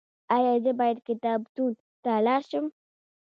ایا زه باید کتابتون ته لاړ شم؟